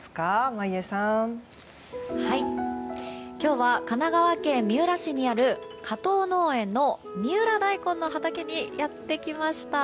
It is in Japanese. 今日は神奈川県三浦市にある加藤農園の三浦大根の畑にやってきました。